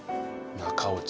中落ち。